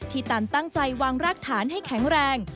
ตันตั้งใจวางรากฐานให้แข็งแรง